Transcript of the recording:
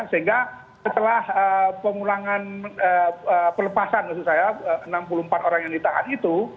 sehingga setelah pemulangan pelepasan maksud saya enam puluh empat orang yang ditahan itu